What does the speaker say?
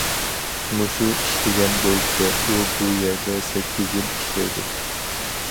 مۇشۇ ئىشلىگەن بويىچە ئۇ بۇ يەردە سەككىز يىل ئىشلەيدۇ.